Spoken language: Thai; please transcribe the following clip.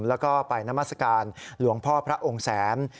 แล้วก็ไปนามัศกาลหลวงพ่อพระองค์แสน